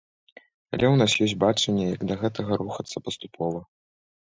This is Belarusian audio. Але ў нас ёсць бачанне, як да гэтага рухацца паступова.